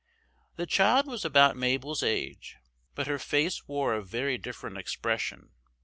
The child was about Mabel's age, but her face wore a very different expression.